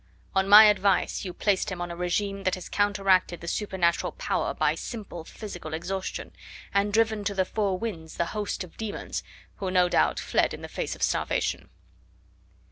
On my advice you placed him on a regime that has counteracted the supernatural power by simple physical exhaustion, and driven to the four winds the host of demons who no doubt fled in the face of starvation."